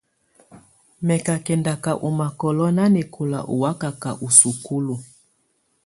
Mɛ̀ kà kɛndaka ù makɔlɔ̀ nanɛkɔ̀la û wakaka ù sukulu.